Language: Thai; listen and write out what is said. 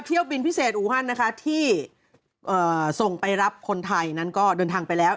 เที่ยวบินพิเศษอูฮันนะคะที่ส่งไปรับคนไทยนั้นก็เดินทางไปแล้ว